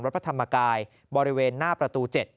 พระธรรมกายบริเวณหน้าประตู๗